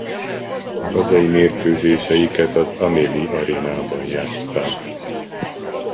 Hazai mérkőzéseiket az Amelie Arenában játsszák.